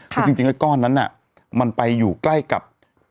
คือจริงแล้วก้อนนั้นมันไปอยู่ใกล้กับ